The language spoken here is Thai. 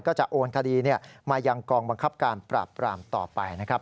ก็จะโอนคดีมายังกองบังคับการปราบปรามต่อไปนะครับ